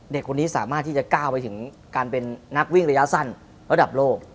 เด็กคนนี้สามารถที่จะก้าวไปถึงการเป็นนักวิ่งระยะสั้นระดับโลก